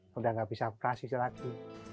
sudah tidak bisa berkas itu lagi